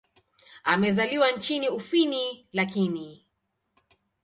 Amezaliwa nchini Ufini lakini.